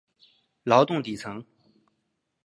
劳动底层